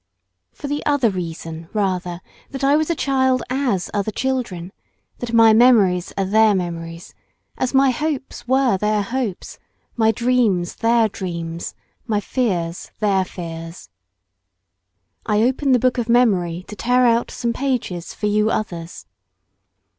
For the other reason rather that I was a child as other children, that my memories are their memories, as my hopes were their hopes, my dreams their dreams, my fears their fears. I open the book of memory to tear out some pages for you others.